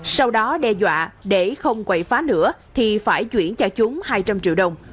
sau đó đe dọa để không quậy phá nữa thì phải chuyển cho chúng hai trăm linh triệu đồng